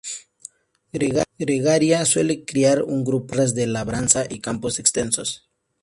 Gregaria, suele criar en grupos, en tierras de labranza y campos extensos.